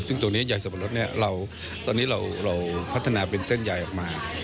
ซึ่งตัวนี้ใหญ่สับปะรดเนี่ยตอนนี้เราพัฒนาเป็นเส้นใหญ่ออกมา